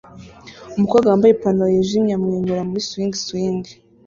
Umukobwa wambaye ipantaro yijimye amwenyura muri swing swing